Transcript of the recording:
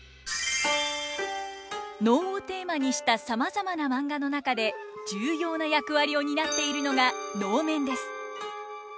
能をテーマにしたさまざまなマンガの中で重要な役割を担っているのが能面です。